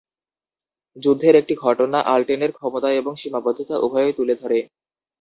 যুদ্ধের একটি ঘটনা আলটেনের ক্ষমতা এবং সীমাবদ্ধতা উভয়ই তুলে ধরে।